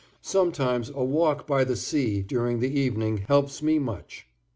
Sometimes a walk by the sea during the evening helps me much.